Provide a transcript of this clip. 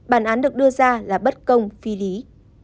bản án được đưa ra là bất công phi lý